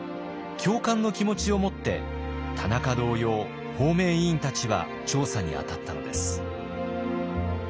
共感の気持ちを持って田中同様方面委員たちは調査にあたったのです。